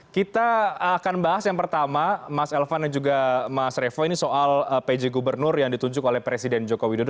kita akan bahas yang pertama mas elvan dan juga mas revo ini soal pj gubernur yang ditunjuk oleh presiden joko widodo